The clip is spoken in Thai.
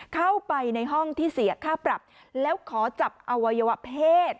เข้าไปในห้องที่เสียค่าปรับแล้วขอจับอวัยวะเพศ